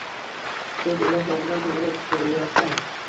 – ko‘z ila to‘g‘ridan-to‘g‘ri ko‘rilayotgan